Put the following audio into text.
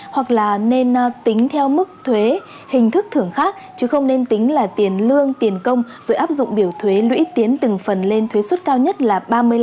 hoặc là nên tính theo mức thuế hình thức thưởng khác chứ không nên tính là tiền lương tiền công rồi áp dụng biểu thuế lũy tiến từng phần lên thuế suất cao nhất là ba mươi năm